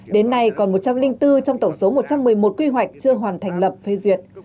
đến nay còn một trăm linh bốn trong tổng số một trăm một mươi một quy hoạch chưa hoàn thành lập phê duyệt